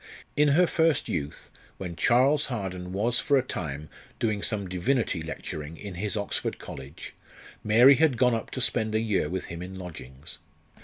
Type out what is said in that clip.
In her first youth, when Charles Harden was for a time doing some divinity lecturing in his Oxford college, Mary had gone up to spend a year with him in lodgings.